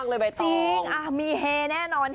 อูหุ่นดีมากเลยใบตอง